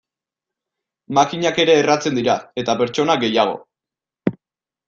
Makinak ere erratzen dira, eta pertsonak gehiago.